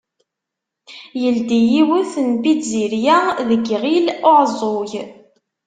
Yeldi yiwet n tpizzirya deg Iɣil-Uɛeẓẓug.